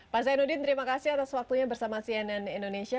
pak zainuddin terima kasih atas waktunya bersama cnn indonesia